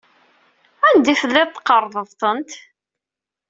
Anda ay telliḍ tqerrḍeḍ-tent?